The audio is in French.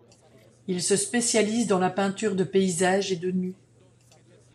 Il se spécialise dans la peinture de paysages et de nus.